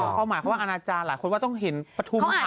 เขาหมายความว่าอนาจารย์หลายคนว่าต้องเห็นปฐุม